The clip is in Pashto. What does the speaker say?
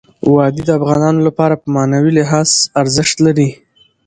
وادي د افغانانو لپاره په معنوي لحاظ ارزښت لري.